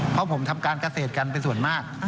เพราะผมทำการเกษตรกันเป็นส่วนมาก